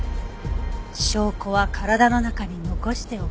「証拠は体の中に残しておく」。